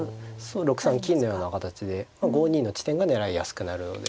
６三金のような形で５二の地点が狙いやすくなるので。